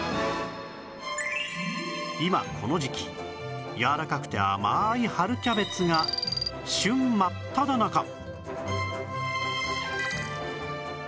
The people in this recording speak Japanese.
今この時期やわらかくて甘い春キャベツが旬真っただ中！